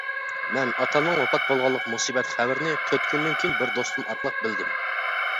مەن ئاتامنىڭ ۋاپات بولغانلىق مۇسىبەت خەۋىرىنى تۆت كۈندىن كېيىن بىر دوستۇم ئارقىلىق بىلدىم.